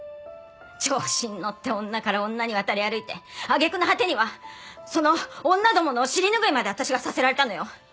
調子に乗って女から女に渡り歩いて揚げ句の果てにはその女どもの尻拭いまで私がさせられたのよ！